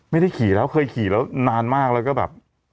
ไม่ได้ขี่แล้วเคยขี่แล้วนานมากแล้วก็แบบ